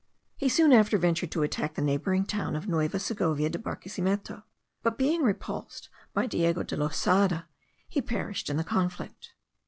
He soon after ventured to attack the neighbouring town of Nueva Segovia de Barquesimeto; but, being repulsed by Diego de Losada, he perished in the conflict.